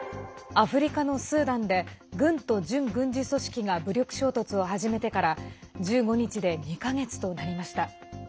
アフリカのスーダンで軍と準軍事組織が武力衝突を始めてから１５日で２か月となりました。